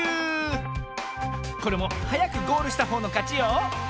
これもはやくゴールしたほうのかちよ